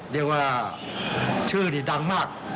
เรียกว่าชื่อนี่ดังมาก